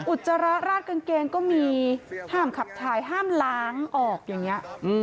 อุจจาระราดกางเกงก็มีห้ามขับถ่ายห้ามล้างออกอย่างนี้